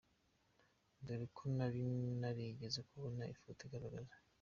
dore ko nari narigeze kubona ifoto igaragaza.